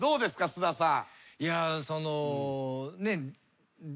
菅田さん。